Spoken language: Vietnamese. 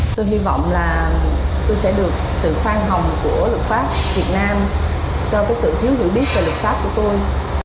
tôi hy vọng là tôi sẽ được sự khoan hồng của luật pháp việt nam cho sự thiếu hiểu biết về luật pháp của tôi